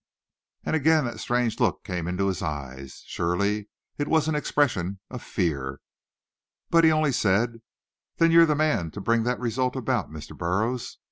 Again that strange look came into his eyes. Surely it was an expression of fear. But he only said, "Then you're the man to bring that result about, Mr. Burroughs.